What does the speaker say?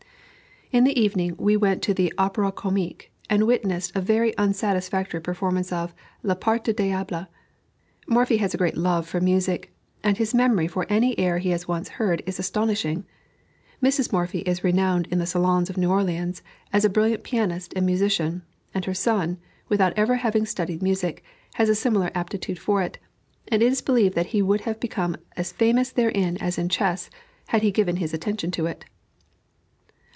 In the evening we went to the Opera Comique, and witnessed a very unsatisfactory performance of "La Part du Diable." Morphy has a great love for music, and his memory for any air he has once heard is astonishing. Mrs. Morphy is renowned in the salons of New Orleans as a brilliant pianist and musician, and her son, without ever having studied music, has a similar aptitude for it, and it is believed that he would have become as famous therein as in chess, had he given his attention to it.